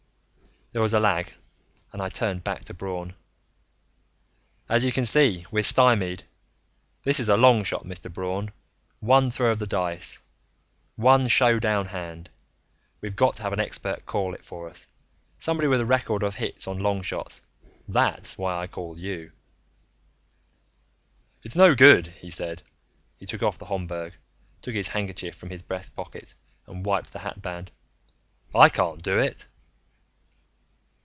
There was a lag and I turned back to Braun. "As you can see, we're stymied. This is a long shot, Mr. Braun. One throw of the dice one show down hand. We've got to have an expert call it for us somebody with a record of hits on long shots. That's why I called you." "It's no good," he said. He took off the Homburg, took his handkerchief from his breast pocket, and wiped the hatband. "I can't do it."